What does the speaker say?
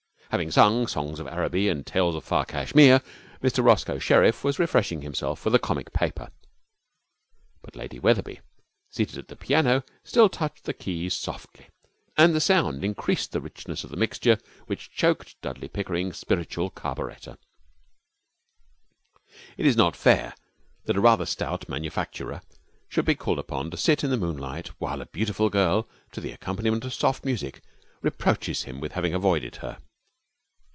Having sung songs of Araby and tales of far Cashmere, Mr Roscoe Sherriff was refreshing himself with a comic paper. But Lady Wetherby, seated at the piano, still touched the keys softly, and the sound increased the richness of the mixture which choked Dudley Pickering's spiritual carburettor. It is not fair that a rather stout manufacturer should be called upon to sit in the moonlight while a beautiful girl, to the accompaniment of soft music, reproaches him with having avoided her.